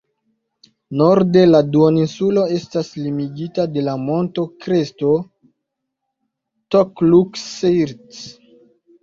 Norde la duoninsulo estas limigita de la monto-kresto "Tokluk-Sirt".